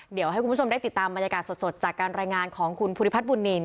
เดี๋ยวให้คุณผู้ชมได้ติดตามบรรยากาศสดจากการรายงานของคุณภูริพัฒนบุญนิน